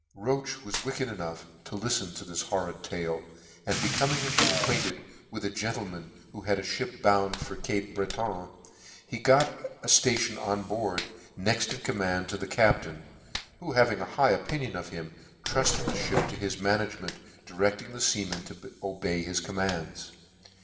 Roche was wicked enough to liften to this hor rid tale, and becoming acquainted with a gentle man who had a fhip bound to Cape Breton, he got a ftation on board, next in command to the captain, who having an high opinion of him, trufted the Ihip to his management, directing the feamen to obey his commands.